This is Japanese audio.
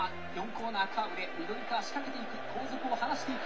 コーナーカーブで緑川仕掛けていく後続を離していく。